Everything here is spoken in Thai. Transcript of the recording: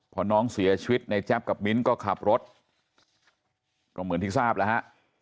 พอน้องเสียชีวิตในแจ๊บกับมิ้นก็ขับรถก็เหมือนที่ทราบแล้วฮะ